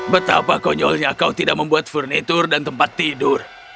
betapa konyolnya kau tidak membuat furnitur dan tempat tidur